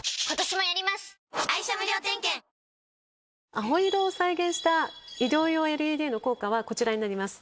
青色を再現した医療用ＬＥＤの効果はこちらになります。